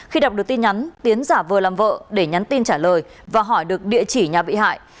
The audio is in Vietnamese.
khi đọc được tin nhắn tiến giả vờ làm vợ để nhắn tin trả lời và hỏi được địa chỉ nhà bị hại